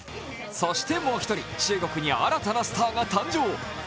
そしてもう一人、中国に新たなスターが誕生。